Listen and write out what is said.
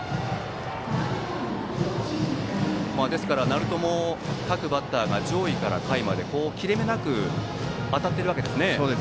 鳴門も各バッターが上位から下位まで切れ目なく当たっているわけですね。